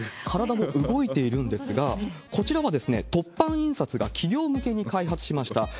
体も動いているんですが、こちらは凸版印刷が企業向けに開発しました。